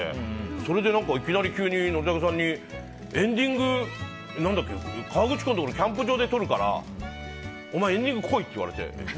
それでいきなり急に憲武さんにエンディングを河口湖のキャンプ場で撮るからエンディング来いって言われて。